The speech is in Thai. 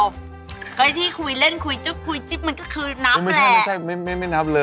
ก็ที่คุยเล่นคุยจุ๊บคุยจิ๊บมันก็คือนับแหละ